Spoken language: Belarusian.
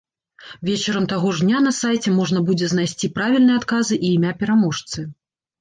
Вечарам таго ж дня на сайце можна будзе знайсці правільныя адказы і імя пераможцы.